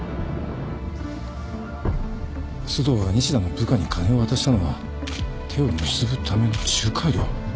須藤が西田の部下に金を渡したのは手を結ぶための仲介料。